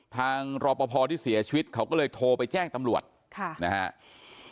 รอปภที่เสียชีวิตเขาก็เลยโทรไปแจ้งตำรวจค่ะนะครับ